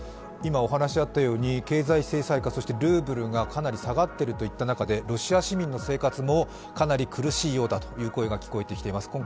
今お話あったように経済制裁下、そしてルーブルがかなり下がっているという中でロシア市民の生活もかなり苦しいようだという声が聞こえてきています。